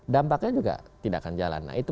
dampaknya juga tidak akan jalan nah itu